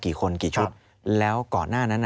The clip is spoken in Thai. กี่คนกี่ชุดแล้วก่อนหน้านั้นอ่ะ